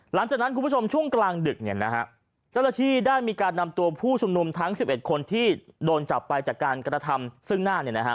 หลังจากนั้นคุณผู้ชมช่วงกลางดึกเนี่ยนะฮะเจ้าหน้าที่ได้มีการนำตัวผู้ชุมนุมทั้ง๑๑คนที่โดนจับไปจากการกระทำซึ่งหน้าเนี่ยนะฮะ